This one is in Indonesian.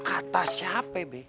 kata siapa be